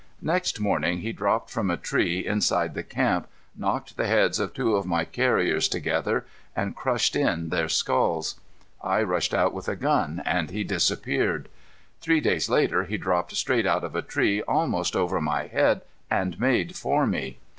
Next morning he dropped from a tree inside the camp, knocked the heads of two of my carriers together, and crushed in their skulls. I rushed out with a gun and he disappeared. Three days later he dropped straight out of a tree almost over my head and made for me.